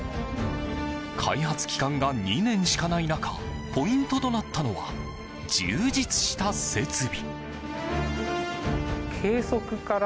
開発期間が２年しかない中ポイントとなったのは充実した設備。